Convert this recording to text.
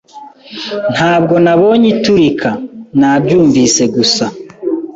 Ntabwo nabonye iturika. Nabyumvise gusa.